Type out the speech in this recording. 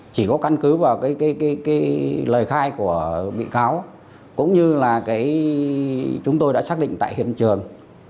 chỉ có căn cứ vào cái lời khai của bị cáo cũng như là chúng tôi đã xác định tại hiện trường